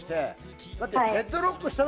ヘッドロックして。